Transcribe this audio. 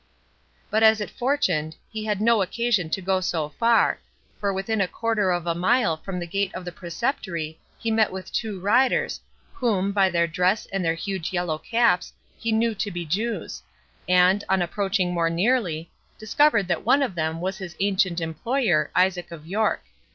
But as it fortuned, he had no occasion to go so far, for within a quarter of a mile from the gate of the Preceptory he met with two riders, whom, by their dress and their huge yellow caps, he knew to be Jews; and, on approaching more nearly, discovered that one of them was his ancient employer, Isaac of York.